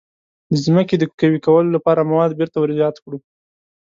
د ځمکې د قوي کولو لپاره مواد بیرته ور زیات کړو.